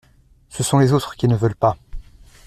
Ce sont les autres qui ne veulent pas.